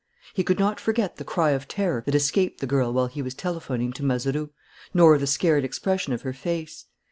He could not forget the cry of terror that escaped the girl while he was telephoning to Mazeroux, nor the scared expression of her face.